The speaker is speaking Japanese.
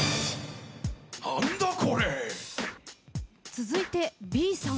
続いてＢさん。